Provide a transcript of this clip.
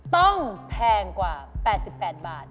แพงกว่า๘๘บาท